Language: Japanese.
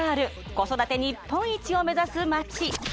子育て日本一を目指す街。